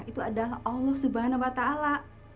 itu adalah allah subhanahu wa ta'ala